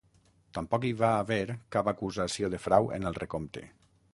Tampoc hi va haver cap acusació de frau en el recompte.